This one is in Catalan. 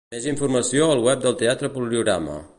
Més informació al web del Teatre Poliorama.